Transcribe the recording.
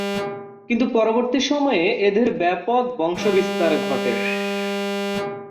কিন্তু পরবর্তী সময়ে এদের ব্যাপক বংশবিস্তার ঘটে।